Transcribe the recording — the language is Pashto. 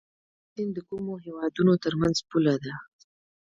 پنج سیند د کومو هیوادونو ترمنځ پوله ده؟